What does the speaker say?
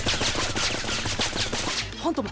ファントム！？